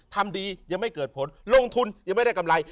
ทำดียังไม่เกิดผลลงทุนยังไม่ได้กำไร